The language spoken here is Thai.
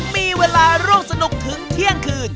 มีเวลาร่วมสนุกถึงเที่ยงคืน